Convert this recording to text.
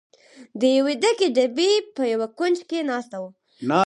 د یوې ډکې ډبې په یوه کونج کې ناست و.